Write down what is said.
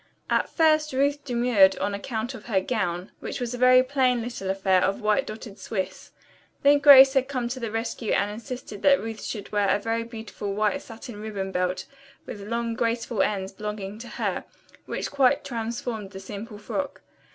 At first Ruth demurred on account of her gown, which was a very plain little affair of white dotted swiss. Then Grace had come to the rescue and insisted that Ruth should wear a very beautiful white satin ribbon belt with long, graceful ends, belonging to her, which quite transformed the simple frock.